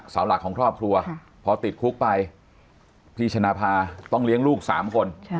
สาวหลักของครอบครัวพอติดคุกไปพี่ชนะภาต้องเลี้ยงลูก๓คน